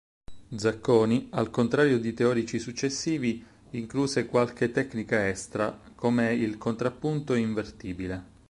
Zacconi, al contrario di teorici successivi, incluse qualche tecnica 'extra' come il contrappunto invertibile.